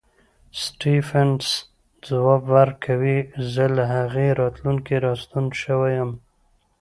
سټېفنس ځواب ورکوي زه له هغې راتلونکې راستون شوی یم.